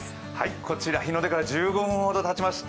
こちら、日の出から１５分ほどたちました。